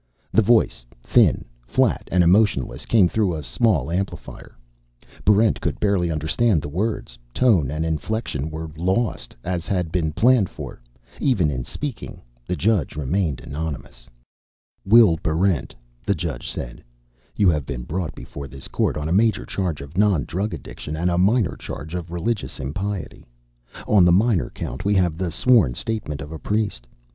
The voice, thin, flat and emotionless, came through a small amplifier. Barrent could barely understand the words; tone and inflection were lost, as had been planned for. Even in speaking, the judge remained anonymous. "Will Barrent," the judge said, "you have been brought before this court on a major charge of non drug addiction and a minor charge of religious impiety. On the minor count we have the sworn statement of a priest.